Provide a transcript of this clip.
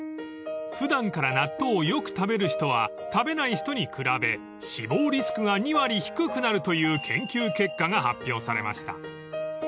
［普段から納豆をよく食べる人は食べない人に比べ死亡リスクが２割低くなるという研究結果が発表されました］